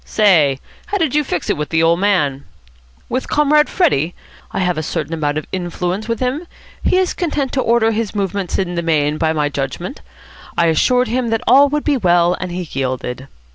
Say, how did you fix it with the old man?" "With Comrade Freddie? I have a certain amount of influence with him. He is content to order his movements in the main by my judgment. I assured him that all would be well, and he yielded."